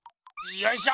よいしょ！